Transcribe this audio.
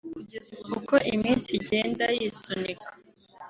uko iminsi igenda yisunika